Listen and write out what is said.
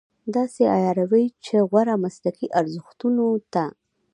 داسې عیاروي چې غوره مسلکي ارزښتونو ته.